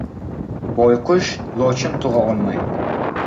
• Boyqush lochin tug‘a olmaydi.